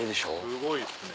すごいですね。